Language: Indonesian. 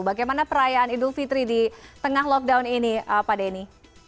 bagaimana perayaan idul fitri di tengah lockdown ini pak denny